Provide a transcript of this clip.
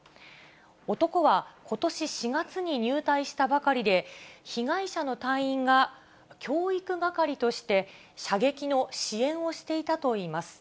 男はことし４月に入隊したばかりで、被害者の隊員が教育係として射撃の支援をしていたといいます。